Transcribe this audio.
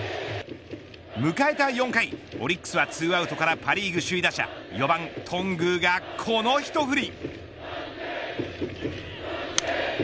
迎えた４回、オリックスは２アウトからパ・リーグ首位打者４番、頓宮がこの一振り。